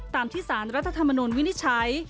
ตามที่ศาลรัฐธรรมนูนวินิจใช้